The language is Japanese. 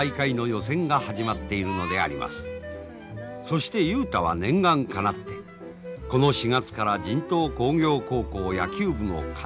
そして雄太は念願かなってこの４月から神東工業高校野球部の監督になって。